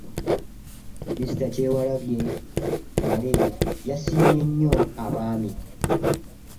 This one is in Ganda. Minisita Kyewalabye Male yasiimye nnyo abaami